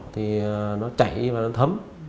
thì nó chảy và nó thấm